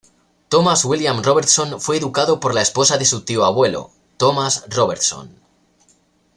Thomas William Robertson fue educado por la esposa de su tío abuelo, Thomas Robertson.